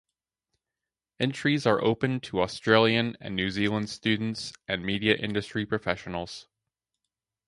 Entries are open to Australian and New Zealand students and media industry professionals.